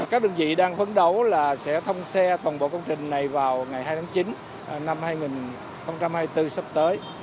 các đơn vị đang phấn đấu là sẽ thông xe toàn bộ công trình này vào ngày hai tháng chín năm hai nghìn hai mươi bốn sắp tới